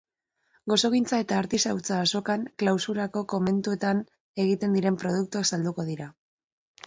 Gozogintza eta artisautza azokan klausurako komentuetan egiten diren produktuak salduko dira.